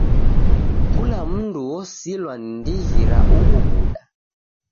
Kula mndu osilwa ni ndighi ra ughu w'uda.